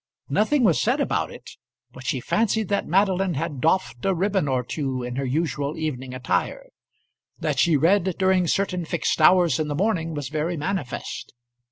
Nothing was said about it, but she fancied that Madeline had doffed a ribbon or two in her usual evening attire. That she read during certain fixed hours in the morning was very manifest.